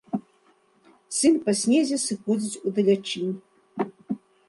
Сын па снезе сыходзіць у далячынь.